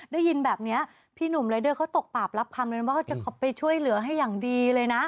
ได้ยินแบบนี้พี่หนุ่มรายเดอร์เขาตกปราบรับคำเลยนะว่าจะไปช่วยเหลือให้อย่างดีเลยนะ